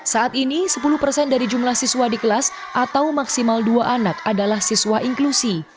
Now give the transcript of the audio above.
saat ini sepuluh persen dari jumlah siswa di kelas atau maksimal dua anak adalah siswa inklusi